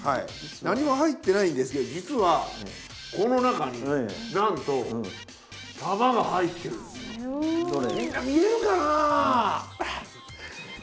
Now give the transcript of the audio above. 何も入ってないんですけど実はこの中になんと玉が入ってるんですよ。